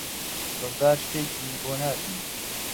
دڵدار شتێکی بۆ ناردی.